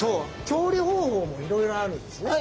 調理方法もいろいろあるんですね。